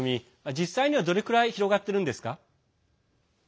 実際には、どれくらい広がっているんですか？